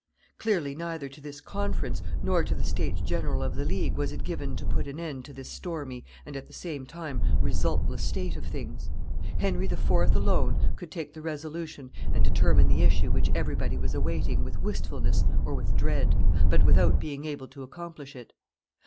Clearly neither to this conference nor to the states general of the League was it given to put an end to this stormy and at the same time resultless state of things; Henry IV. alone could take the resolution and determine the issue which everybody was awaiting with wistfulness or with dread, but without being able to accomplish it.